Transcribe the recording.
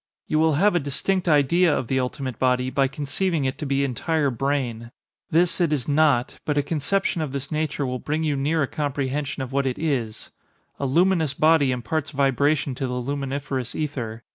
You will have a distinct idea of the ultimate body by conceiving it to be entire brain. This it is not; but a conception of this nature will bring you near a comprehension of what it is. A luminous body imparts vibration to the luminiferous ether.